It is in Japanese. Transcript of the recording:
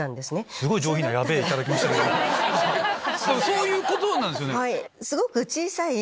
そういうことなんすよね。